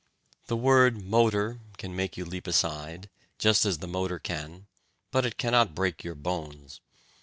The word "motor" can make you leap aside, just as the motor can, but it cannot break your bones.